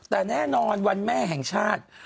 แต่แน่นอนวันแม่แห่งชาติ